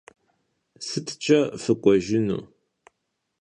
Sıtç'e fık'uejjınu?